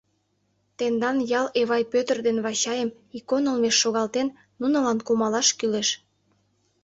— Тендан ял Эвай Пӧтыр ден Вачайым икон олмеш шогалтен, нунылан кумалаш кӱлеш...